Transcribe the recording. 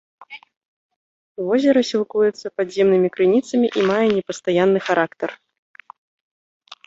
Возера сілкуецца падземнымі крыніцамі і мае непастаянны характар.